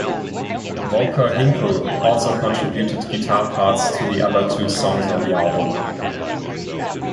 Volker Hinkel also contributed guitar parts to the other two songs on the album.